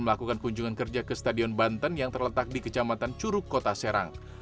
melakukan kunjungan kerja ke stadion banten yang terletak di kecamatan curug kota serang